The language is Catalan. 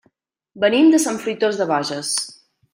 Venim de Sant Fruitós de Bages.